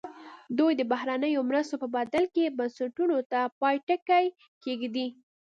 دوی د بهرنیو مرستو په بدل کې بنسټونو ته پای ټکی کېږدي.